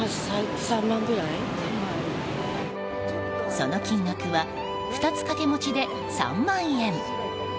その金額は２つ掛け持ちで３万円。